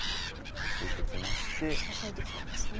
支えてきたんですね。